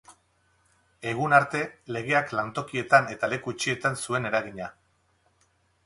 Egun arte, legeak lantokietan eta leku itxietan zuen eragina.